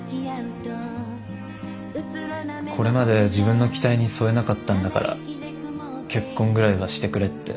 これまで自分の期待に添えなかったんだから結婚ぐらいはしてくれって。